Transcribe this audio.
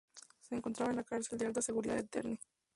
Se encontraba en la cárcel de alta seguridad de Terni.